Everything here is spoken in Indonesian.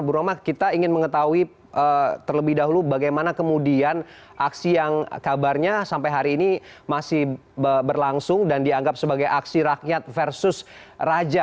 bu romah kita ingin mengetahui terlebih dahulu bagaimana kemudian aksi yang kabarnya sampai hari ini masih berlangsung dan dianggap sebagai aksi rakyat versus raja